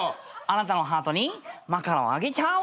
あなたのハートにマカロンあげちゃう！